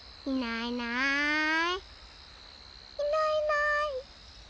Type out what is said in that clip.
いないいない。